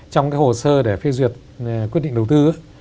trong cái hồ sơ để phê duyệt quyết định đầu tư